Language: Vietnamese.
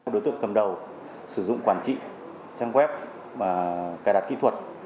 đối tượng cầm đầu sử dụng quản trị trang web và cài đặt kỹ thuật